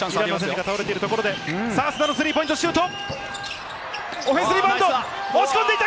須田のスリーポイントシュート！